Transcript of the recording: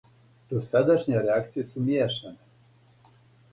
Досадашње реакције су мијешане.